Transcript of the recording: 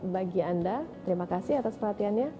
bagi anda terima kasih atas perhatiannya